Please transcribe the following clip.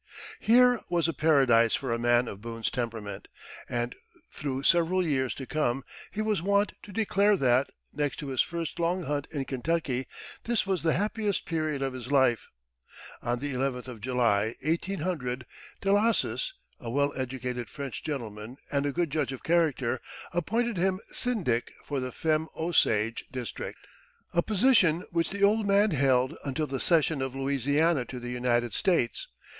Here was a paradise for a man of Boone's temperament, and through several years to come he was wont to declare that, next to his first long hunt in Kentucky, this was the happiest period of his life. On the eleventh of July, 1800, Delassus a well educated French gentleman, and a good judge of character appointed him syndic for the Femme Osage district, a position which the old man held until the cession of Louisiana to the United States.